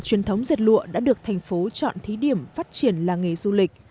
truyền thống dệt lụa đã được thành phố chọn thí điểm phát triển làng nghề du lịch